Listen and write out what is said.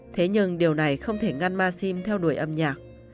thế nhưng điều này không thể ngăn maxim theo đuổi âm nhạc